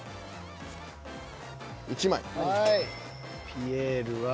ピエールは。